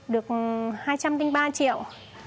được hai trăm linh ba triệu